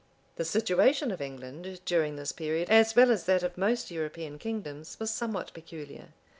The situation of England, during this period, as well as that of most European kingdoms, was somewhat peculiar.